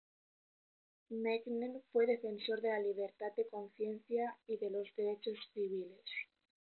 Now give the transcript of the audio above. Mencken fue defensor de la libertad de conciencia y de los derechos civiles.